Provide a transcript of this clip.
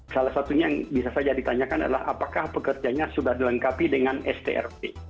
salah satunya yang bisa saja ditanyakan adalah apakah pekerjanya sudah dilengkapi dengan strp